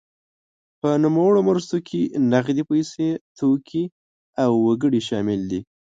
په نوموړو مرستو کې نغدې پیسې، توکي او وګړي شامل دي.